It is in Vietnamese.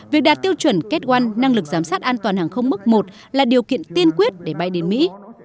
việc đạt tiêu chuẩn cat i là điều kiện tiên quyết để bay đến mỹ